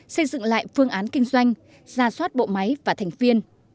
xây dựng lại phương án kinh doanh ra soát bộ máy và thành viên